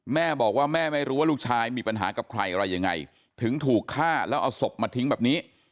แม่บอกว่าแม่ไม่รู้ว่าลูกชายมีปัญหากับใครอะไรยังไงถึงถูกฆ่าแล้วเอาศพมาทิ้งแบบนี้